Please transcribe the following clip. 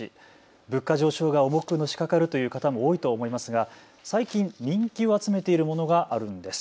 物価上昇が重くのしかかるという方も多いと思いますが、最近人気を集めているものがあるんです。